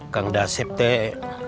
kang dasip teh